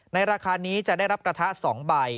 ราคานี้จะได้รับกระทะ๒ใบ